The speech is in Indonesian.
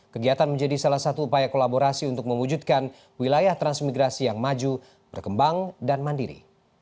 kegiatan menjadi salah satu upaya kolaborasi untuk mewujudkan wilayah transmigrasi yang maju berkembang dan mandiri